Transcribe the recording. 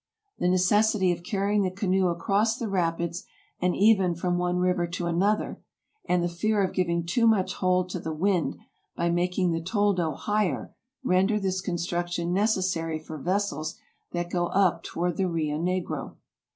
The necessity of carrying the canoe across the rapids, and even from one river to another, and the fear of giving too much hold to the wind, by making the toldo higher, render this construction necessary for vessels that go up toward the Rio Negro.